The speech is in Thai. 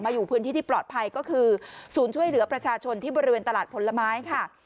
อยู่พื้นที่ที่ปลอดภัยก็คือศูนย์ช่วยเหลือประชาชนที่บริเวณตลาดผลไม้ค่ะ